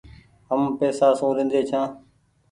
هم پئيسا سون لينڍي ڇآن ۔